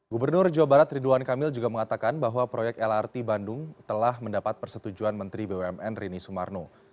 gubernur jawa barat ridwan kamil juga mengatakan bahwa proyek lrt bandung telah mendapat persetujuan menteri bumn rini sumarno